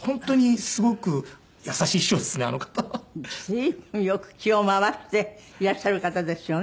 随分よく気を回していらっしゃる方ですよね